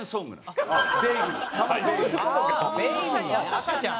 赤ちゃん。